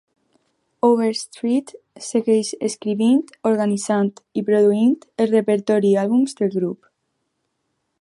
Overstreet segueix escrivint, organitzant i produint el repertori i àlbums del grup.